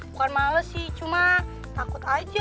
bukan males sih cuma takut aja